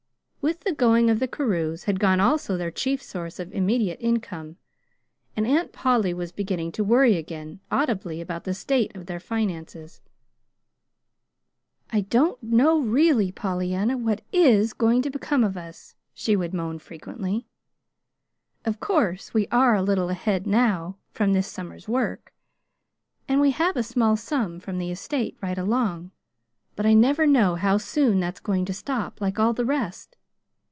With the going of the Carews had gone also their chief source of immediate income, and Aunt Polly was beginning to worry again, audibly, about the state of their finances. "I don't know, really, Pollyanna, what IS going to become of us," she would moan frequently. "Of course we are a little ahead now from this summer's work, and we have a small sum from the estate right along; but I never know how soon that's going to stop, like all the rest.